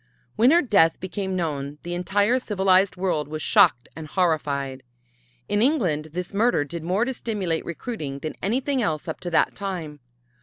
When her death became known, the entire civilized world was shocked and horrified. In England this murder did more to stimulate recruiting than anything else up to that time.